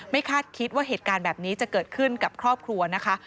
คาดคิดว่าเหตุการณ์แบบนี้จะเกิดขึ้นกับครอบครัวนะคะ